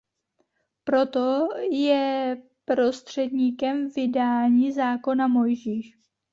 Proto je prostředníkem vydání zákona Mojžíš.